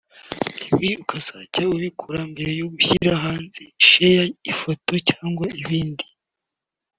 ibi ukazajya ubikora mbere yo gushyira hanze(share)ifoto cyangwa ikindi